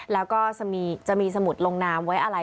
แล้วก็จะมีสมุดลงน้ำไว้อะไหล่